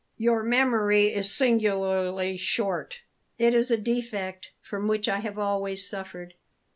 "Your memory is singularly short." "It is a defect from which I have always suffered."